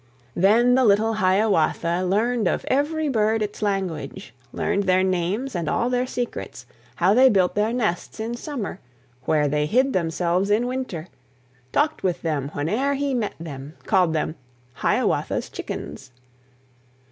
Then the little Hiawatha Learned of every bird its language, Learned their names and all their secrets, How they built their nests in summer, Where they hid themselves in winter, Talked with them whene'er he met them, Called them "Hiawatha's Chickens."